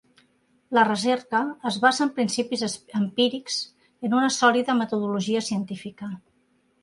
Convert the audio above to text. La recerca es basa en principis empírics i en una sòlida metodologia científica.